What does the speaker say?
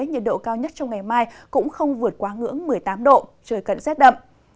nhiệt độ cao nhất trong ngày mai cũng không vượt quá ngưỡng một mươi tám độ trời cận rét đậm